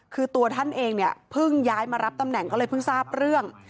คือตัวท่านเองเนี่ยเพิ่งย้ายมารับตำแหน่งก็เลยเพิ่งทราบเรื่อง